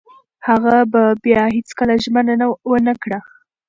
هغه به بیا هیڅکله ژمنه ونه کړي.